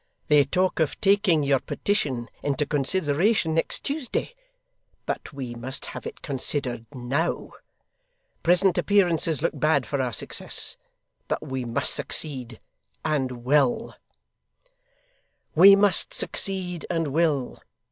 They talk of taking your petition into consideration next Tuesday, but we must have it considered now. Present appearances look bad for our success, but we must succeed and will!' 'We must succeed and will!